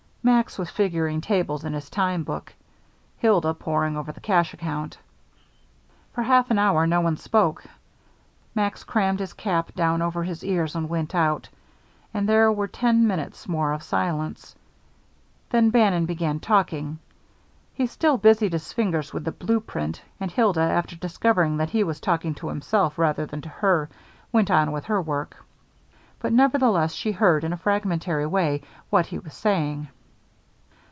Max was figuring tables in his time book, Hilda poring over the cash account. For half an hour no one spoke. Max crammed his cap down over his ears and went out, and there were ten minutes more of silence. Then Bannon began talking. He still busied his fingers with the blue print, and Hilda, after discovering that he was talking to himself rather than to her, went on with her work. But nevertheless she heard, in a fragmentary way, what he was saying.